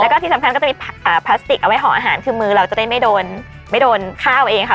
แล้วก็ที่สำคัญก็จะมีพลาสติกเอาไว้ห่ออาหารคือมือเราจะได้ไม่โดนไม่โดนข้าวเองค่ะ